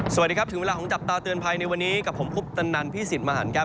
สวัสดีครับถึงเวลาของจับตาเตือนภัยในวันนี้กับผมคุปตันนันพี่สิทธิ์มหันครับ